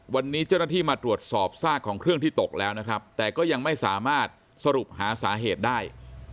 วันนี้เจ้าหน้าที่มาตรวจสอบซากของเครื่องที่ตกแล้วนะครับแต่ก็ยังไม่สามารถสรุปหาสาเหตุได้